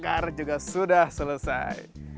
ikan bakar juga sudah selesai